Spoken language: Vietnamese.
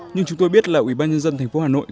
nhưng chúng tôi biết là ủy ban nhân dân thành phố hà nội